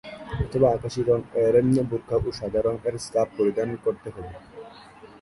অথবা, আকাশী রং-এর বোরখা ও সাদা রং-এর স্কার্ফ পরিধান করতে হবে।